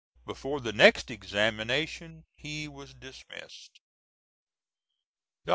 Before the next examination he was dismissed. Dr.